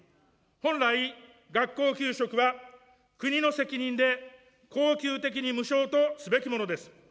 本来、学校給食は国の責任で恒久的に無償とすべきものです。